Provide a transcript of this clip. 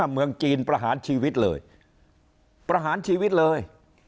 เมืองจีนประหารชีวิตเลยประหารชีวิตเลย